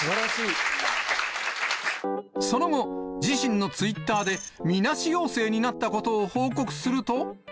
その後、自身のツイッターで、みなし陽性になったことを報告すると。